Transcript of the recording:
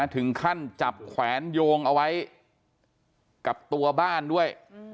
ถึงขั้นจับแขวนโยงเอาไว้กับตัวบ้านด้วย